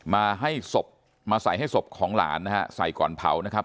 มาให้ศพมาใส่ให้ศพของหลานนะฮะใส่ก่อนเผานะครับ